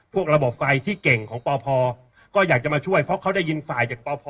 ระบบไฟที่เก่งของปพก็อยากจะมาช่วยเพราะเขาได้ยินฝ่ายจากปพ